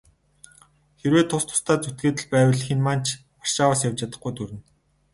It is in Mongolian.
Хэрвээ тус тусдаа зүтгээд л байвал хэн маань ч Варшаваас явж чадахгүйд хүрнэ.